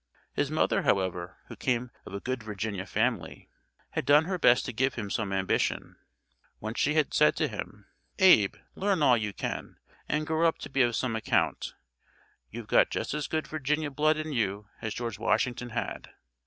His mother, however, who came of a good Virginia family, had done her best to give him some ambition. Once she had said to him, "Abe, learn all you can, and grow up to be of some account. You've got just as good Virginia blood in you as George Washington had."